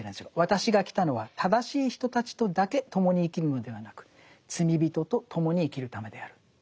「私が来たのは正しい人たちとだけ共に生きるのではなく罪人と共に生きるためである」。